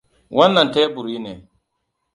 Wannan teburi ne.